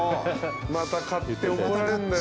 また買って怒られるんだよ。